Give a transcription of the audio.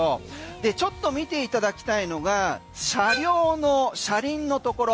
ちょっと見ていただきたいのが車両の車輪のところ。